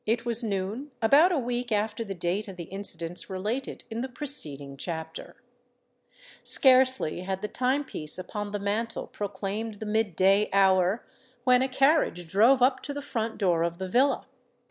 It was noon—about a week after the date of the incidents related in the preceding chapter. Scarcely had the time piece upon the mantel proclaimed the mid day hour, when a carriage drove up to the front door of the villa.